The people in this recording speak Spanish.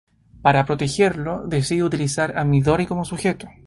Para protegerlo, decide utilizar a Midori como sujeto.